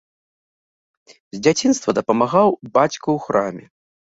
З дзяцінства дапамагаў бацьку ў храме.